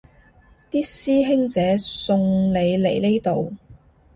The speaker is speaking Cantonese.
啲師兄姐送你嚟呢度